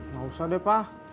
nggak usah deh pak